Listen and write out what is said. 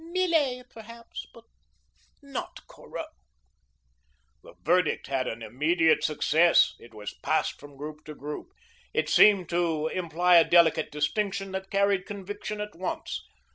Millet, perhaps, but not Corot." This verdict had an immediate success. It was passed from group to group. It seemed to imply a delicate distinction that carried conviction at once.